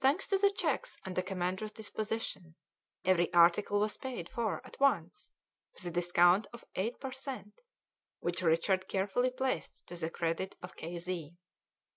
Thanks to the cheques at the commander's disposition, every article was paid for at once with a discount of 8 per cent, which Richard carefully placed to the credit of K.